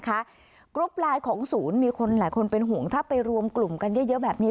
กรุ๊ปไลน์ของศูนย์มีคนหลายคนเป็นห่วงถ้าไปรวมกลุ่มกันเยอะแบบนี้